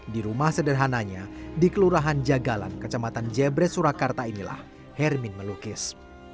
di rumah sederhananya di kelurahan jagalan kecamatan jebres surakarta inilah hermin melukis